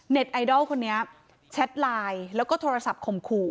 ไอดอลคนนี้แชทไลน์แล้วก็โทรศัพท์ข่มขู่